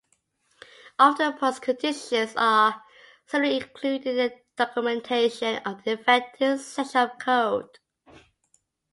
Often, postconditions are simply included in the documentation of the affected section of code.